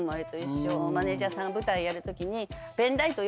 マネジャーさんが舞台やるときに。